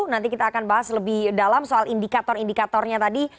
nanti kita akan bahas lebih dalam soal indikator indikatornya tadi